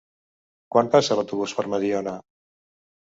Quan passa l'autobús per Mediona?